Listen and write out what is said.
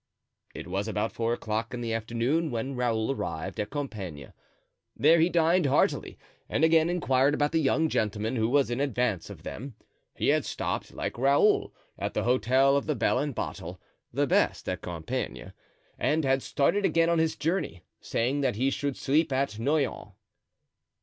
It was about four o'clock in the afternoon when Raoul arrived at Compiegne; there he dined heartily and again inquired about the young gentleman who was in advance of them. He had stopped, like Raoul, at the Hotel of the Bell and Bottle, the best at Compiegne; and had started again on his journey, saying that he should sleep at Noyon.